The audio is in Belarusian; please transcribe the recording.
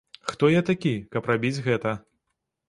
Хто я такі, каб рабіць гэта?